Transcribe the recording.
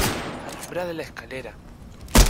¡ alumbrad la escalera!...